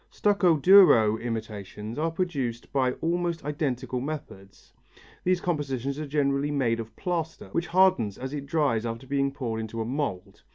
Stucco duro imitations are produced by almost identical methods. These compositions are generally made of plaster, which hardens as it dries after being poured into a mould.